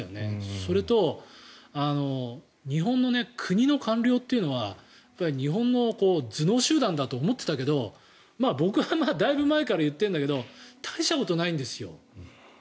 それと日本の国の官僚というのは日本の頭脳集団だと思ってたけど僕はだいぶ前から言ってるんだけど大したことないんですよ。